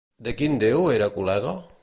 De quin déu era col·lega?